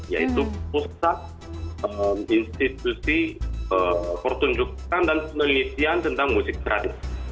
yaitu pusat institusi pertunjukan dan penelitian tentang musik tradisi